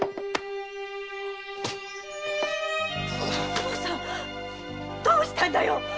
惣さんどうしたんだよ！